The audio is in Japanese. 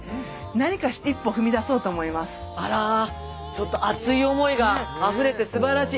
ちょっと熱い思いがあふれてすばらしい。